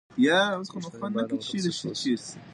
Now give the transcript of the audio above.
پوښتنې باید له متخصص وشي.